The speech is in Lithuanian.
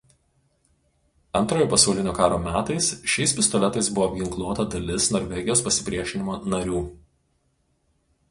Antrojo pasaulinio karo metais šiais pistoletais buvo apginkluota dalis Norvegijos pasipriešinimo narių.